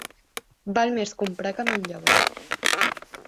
Val més comprar que manllevar.